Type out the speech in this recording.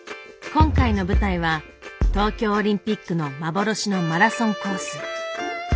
今回の舞台は東京オリンピックの幻のマラソンコース。